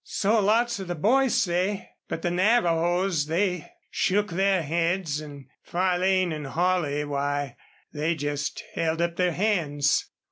"So lots of the boys say. But the Navajos they shook their heads. An' Farlane an' Holley, why, they jest held up their hands."